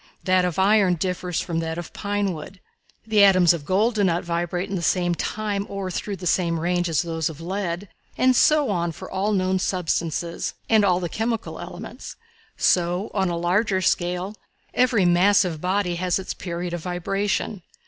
That of iron differs from that of pine wood. The atoms of gold do not vibrate in the same time or through the same range as those of lead, and so on for all known substances, and all the chemical elements. So, on a larger scale, every massive body has its period of vibration.